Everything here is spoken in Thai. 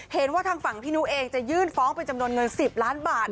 เห็นว่าทางฝั่งพี่นุเองจะยื่นฟ้องเป็นจำนวนเงิน๑๐ล้านบาท